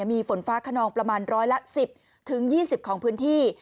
มีฝนฟ้าขนองประมาณร้อยละ๑๐๒๐ของพื้นที่